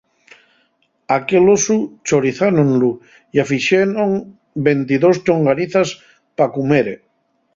Aquel osu chorizánonlu ya fixenon ventidós ḷḷonganizas pa cumere.